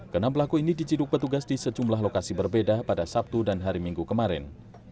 kenam pelaku ini diciduk petugas di sejumlah lokasi berbeda pada sabtu dan hari minggu kemarin